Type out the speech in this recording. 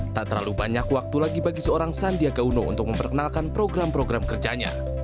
tak terlalu banyak waktu lagi bagi seorang sandiaga uno untuk memperkenalkan program program kerjanya